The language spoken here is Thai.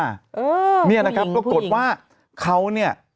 อ๋อผู้หญิงนี่นะครับปรากฏว่าเขาเนี่ย